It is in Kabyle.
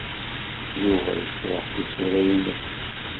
Yuba yesṛuḥ tisura-nnes.